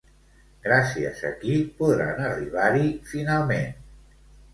Gràcies a qui podran arribar-hi finalment?